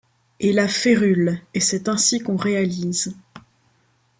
Et la férule ; et c'est ainsi qu'on réalise